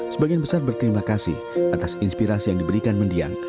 sebagian besar berterima kasih atas inspirasi yang diberikan mendiang